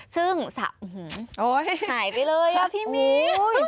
ซึ่งสะหายไปเลยอะพี่มี